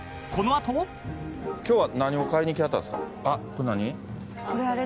今日は何を買いに来はったんですか？